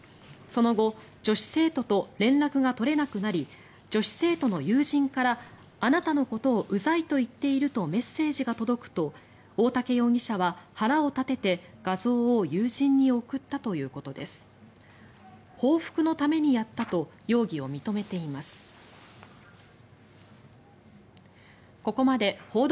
その後女子生徒と連絡が取れなくなり女子生徒の友人からあなたのことをうざいと言っているとメッセージが届くと大竹容疑者は腹を立てて画像を友人に送ったということです。